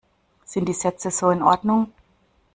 Sind die Sätze so in Ordnung?